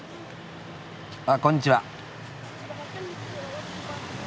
あっこんにちは。